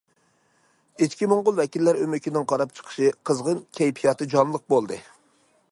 ئىچكى موڭغۇل ۋەكىللەر ئۆمىكىنىڭ قاراپ چىقىشى قىزغىن، كەيپىياتى جانلىق بولدى.